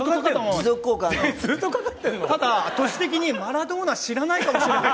ただ年的にマラドーナ知らないかもしれない。